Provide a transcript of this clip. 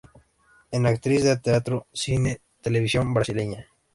Es actriz de teatro, cine y televisión brasileña.